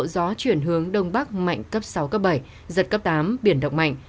gió chuyển hướng đông bắc mạnh cấp sáu cấp bảy giật cấp tám biển động mạnh